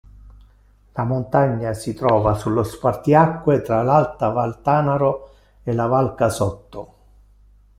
La montagna si trova sullo spartiacque tra l'Alta Val Tanaro e la Val Casotto.